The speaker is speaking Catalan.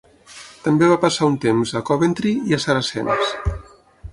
També va passar un temps a Coventry i a Saracens.